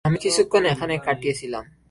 আমি কিছুক্ষণ এখানে কাটিয়েছিলাম।